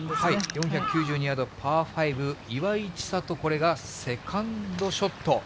４９２ヤード、パー５、岩井千怜、これがセカンドショット。